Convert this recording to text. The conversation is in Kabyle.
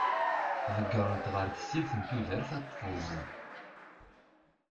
Ḍeggren-t ɣer tessirt n tudert ad t-tezḍ.